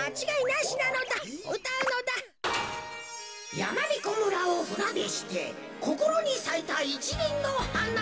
やまびこ村をふなでしてこころにさいたいちりんのはな。